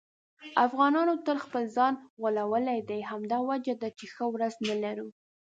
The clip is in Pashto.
افغانانو تل خپل ځان غولولی دی. همدا وجه ده چې ښه ورځ نه لرو.